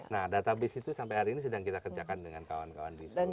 nah database itu sampai hari ini sedang kita kerjakan dengan kawan kawan di sini